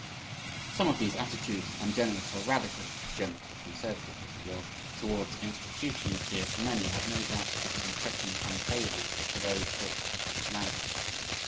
Some of these attitudes, ungenerous or radical, generous or conservative (as you will), towards institutions dear to many, have no doubt given impressions unfavorable to Thoreau's thought and personality.